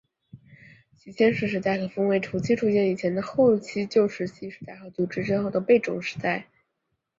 其先史时代可分为土器出现以前的后期旧石器时代和土器出现之后的贝冢时代。